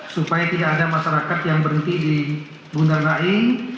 supaya tidak ada masyarakat yang berdiri